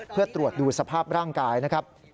เพื่อตรวจดูสภาพร่างกายนะครับ